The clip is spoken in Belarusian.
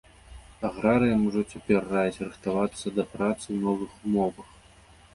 Аграрыям ужо цяпер раяць рыхтавацца да працы ў новых умовах.